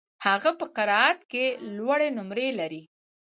هغه په قرائت کي لوړي نمرې لري.